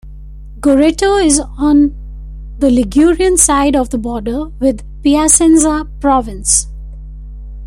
Gorreto is on the Ligurian side of the border with Piacenza province.